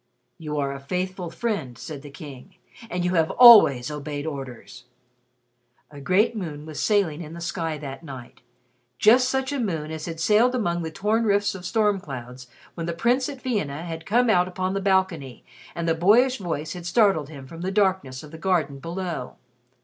"You are a faithful friend," said the King, "and you have always obeyed orders!" A great moon was sailing in the sky that night just such a moon as had sailed among the torn rifts of storm clouds when the Prince at Vienna had come out upon the balcony and the boyish voice had startled him from the darkness of the garden below.